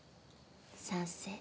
賛成。